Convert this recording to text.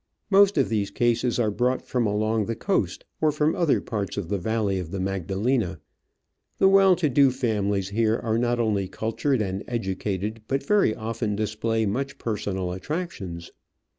Most of these cases are brought from along the coast or from other parts of the valley of the Magdalena. The well to do families here arc not only cultured and educated, but very often display much personal attractions.